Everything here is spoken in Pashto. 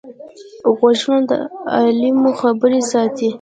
غوږونه د علماوو خبرې ساتي